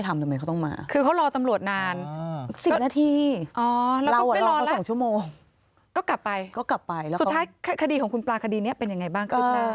สุดท้ายคดีของคุณปลาคดีนี้เป็นยังไงบ้างคืบหน้า